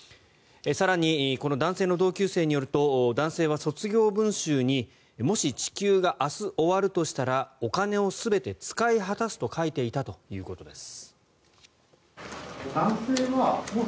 更に、この男性の同級生によると男性は卒業文集にもし地球が明日終わるとしたらお金を全部使い果たすと書いていたということです。